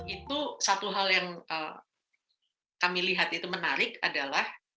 itu satu hal yang kami lihat itu menarik adalah